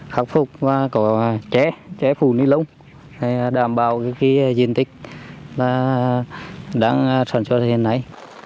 khắc phục có ché ché phù nilon đảm bảo diện tích đang sản xuất như thế này